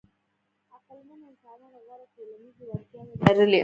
عقلمنو انسانانو غوره ټولنیزې وړتیاوې لرلې.